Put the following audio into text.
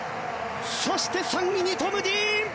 そして３位にトム・ディーン。